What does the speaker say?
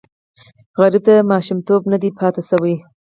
سوالګر ته ماشومتوب نه دی پاتې شوی